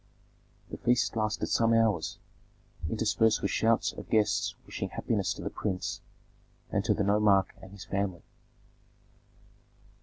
The feast lasted some hours, interspersed with shouts of guests wishing happiness to the prince, and to the nomarch and his family.